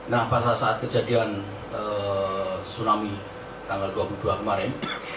nah pada saat kejadian tsunami tanggal dua puluh dua kemarin